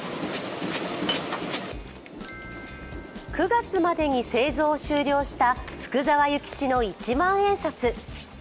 ９月までに製造を終了した福沢諭吉の一万円札。